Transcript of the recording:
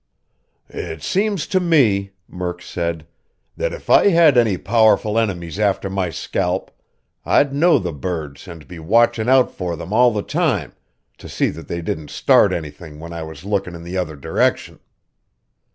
"It seems to me," Murk said, "that if I had any powerful enemies after my scalp, I'd know the birds and be watchin' out for them all the time, to see that they didn't start anything when I was lookin' in the other direction."